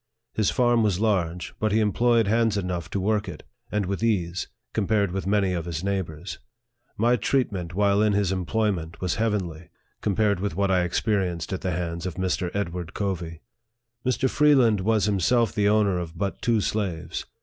His farm was large, but he employed hands enough to work it, and with ease, compared with many of his neighbors. My treatment, while in his employment, was heavenly, compared with what I experienced at the hands of Mr. Edward Covey. Mr. Freeland was himself the owner of but two slaves.